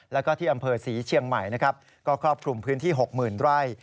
และที่อำเภอศรีเชียงใหม่ก็ครบถุงพื้นที่๖๐๐๐๐ไร่